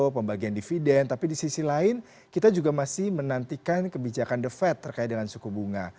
pembagian dividen tapi di sisi lain kita juga masih menantikan kebijakan the fed terkait dengan suku bunga